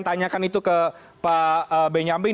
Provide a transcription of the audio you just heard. tanyakan itu ke pak benyamin